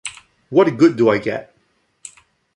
What good do I get?